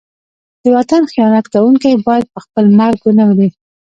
د وطن خیانت کوونکی باید په خپل مرګ ونه مري.